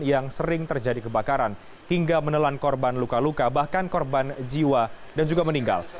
yang sering terjadi kebakaran hingga menelan korban luka luka bahkan korban jiwa dan juga meninggal